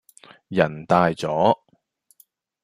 人大咗